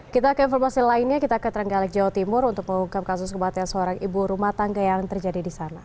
kita ke informasi lainnya kita ke trenggalek jawa timur untuk mengungkap kasus kematian seorang ibu rumah tangga yang terjadi di sana